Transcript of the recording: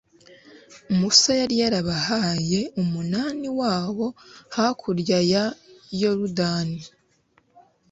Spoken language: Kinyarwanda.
musa yari yarabahaye umunani wabo hakurya ya yorudani